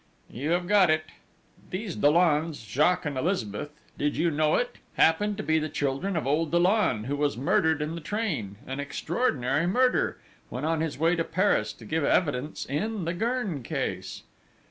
"You have got it! These Dollons Jacques and Elizabeth did you know it? happen to be the children of old Dollon, who was murdered in the train an extraordinary murder! when on his way to Paris, to give evidence in the Gurn case?"